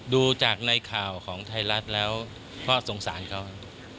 ดูจากในข่าวของไทยรัฐแล้วก็สงสารเขา